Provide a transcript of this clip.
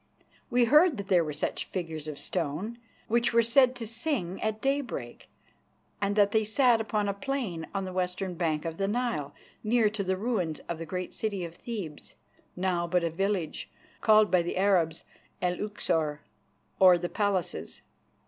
We heard that there were such figures of stone, which were said to sing at daybreak, and that they sat upon a plain on the western bank of the Nile, near to the ruins of the great city of Thebes, now but a village, called by the Arabs El Uksor, or "the Palaces."